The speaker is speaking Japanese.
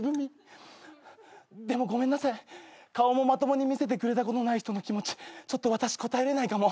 顔もまともに見せてくれたことのない人の気持ちちょっと私応えれないかも。